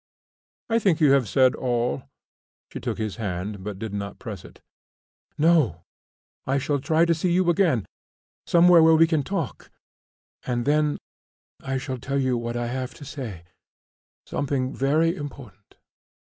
"I think you have said all." She took his hand but did not press it. "No; I shall try to see you again, somewhere where we can talk, and then I shall tell you what I have to say something very important."